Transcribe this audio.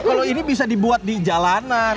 kalau ini bisa dibuat di jalanan